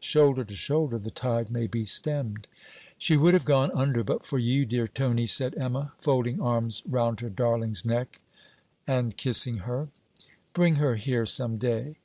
Shoulder to shoulder, the tide may be stemmed.' 'She would have gone under, but for you, dear Tony!' said Emma' folding arms round her darling's neck anal kissing her. 'Bring her here some day.'